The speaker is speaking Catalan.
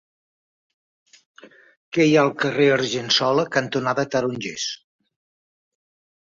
Què hi ha al carrer Argensola cantonada Tarongers?